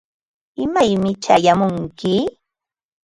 ¿imaymi chayamunki?